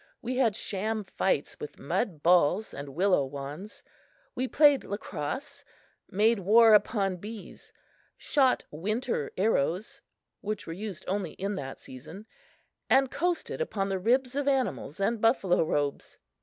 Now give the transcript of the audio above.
We had sham fights with mud balls and willow wands; we played lacrosse, made war upon bees, shot winter arrows (which were used only in that season), and coasted upon the ribs of animals and buffalo robes.